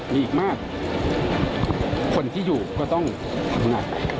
บ้าน